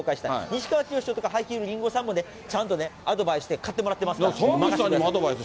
西川きよし師匠とか、ハイヒール・リンゴさんも、ちゃんとアドバイスして買ってもらってますからね。